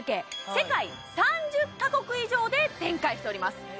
世界３０か国以上で展開しております